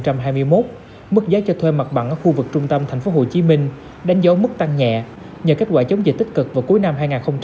đầu về giữa tháng một năm hai nghìn hai mươi một mức giá cho thuê mặt bằng ở khu vực trung tâm thành phố hồ chí minh đánh dấu mức tăng nhẹ nhờ kết quả chống dịch tích cực vào cuối năm hai nghìn hai mươi